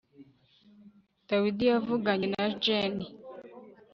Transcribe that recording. David yavuganye na Jane